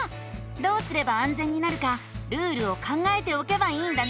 どうすればあんぜんになるかルールを考えておけばいいんだね。